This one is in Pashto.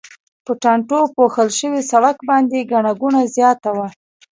په ټانټو پوښل شوي سړک باندې ګڼه ګوڼه زیاته وه.